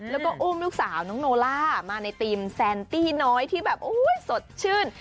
แล้วก็อุ้มลูกสาวน้องโนล่ามาในธีมแซนตี้น้อยที่แบบสดชื่น